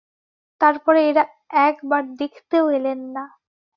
তার পরে এঁরা একবার দেখতেও এলেন না!